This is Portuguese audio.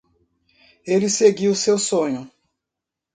Ele seguiu seu sonho.